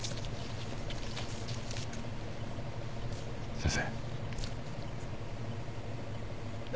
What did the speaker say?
先生。